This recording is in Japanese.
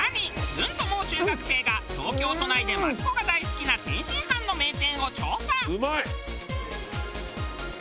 ずんともう中学生が東京都内でマツコが大好きな天津飯の名店を調査！